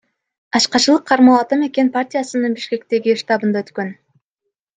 Ачкачылык кармоо Ата мекен партиясынын Бишкектеги штабында өткөн.